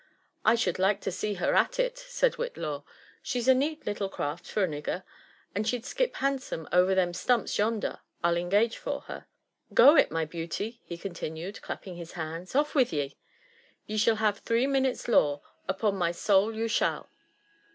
*' I should like to see ber at it," said Whitlaw. ''She's a neat little craft for a nigger; and she'd skip handsome over them stumps yonder, I'll engage for her. Go it, my beauty 1" he continued, clap ping his hands :" ofi' with ye I You shall have three minutes' law « upon my soul you shall."